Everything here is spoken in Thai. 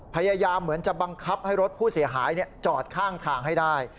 พยายามเหมือนจะบังคับให้รถผู้เสียหายจอดข้างทางให้ได้